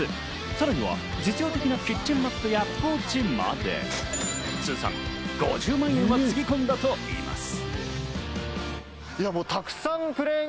さらには実用的なキッチンマットやポーチまで、通算５０万円はつぎ込んだといいます。